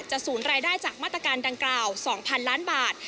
ศูนย์รายได้จากมาตรการดังกล่าว๒๐๐๐ล้านบาท